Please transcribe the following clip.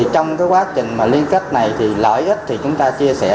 trong quá trình liên kết này lợi ích thì chúng ta chia sẻ